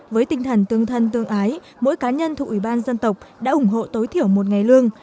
với tinh thần tương thân tương ái mỗi cá nhân thuộc ủy ban dân tộc đã ủng hộ tối thiểu một ngày lương